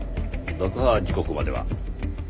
爆破時刻までは？